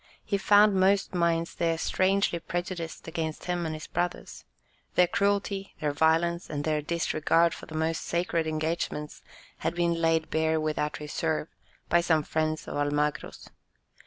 He found most minds there strangely prejudiced against him and his brothers. Their cruelty, their violence, and their disregard of the most sacred engagements had been laid bare without reserve, by some friends of Almagro's.